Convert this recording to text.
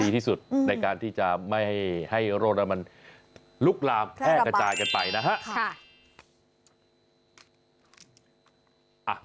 ดีที่สุดอืมในการที่จะไม่ให้ให้โรงน้ำมันลุกลามแก้กระจายกันไปนะฮะค่ะ